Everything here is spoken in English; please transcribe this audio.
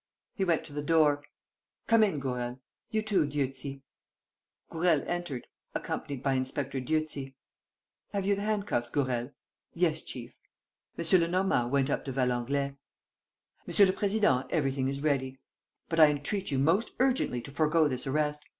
He went to the door: "Come in, Gourel. You, too, Dieuzy." Gourel entered, accompanied by Inspector Dieuzy. "Have you the handcuffs, Gourel?" "Yes, chief." M. Lenormand went up to Valenglay: "Monsieur le Président, everything is ready. But I entreat you most urgently to forego this arrest.